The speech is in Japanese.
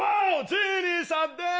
ジーニーさんです！